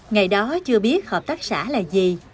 ngày đó chưa biết hợp tác xã là gì